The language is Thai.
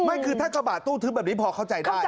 ไม่คือถ้ากระบะตู้ทึบแบบนี้พอเข้าใจได้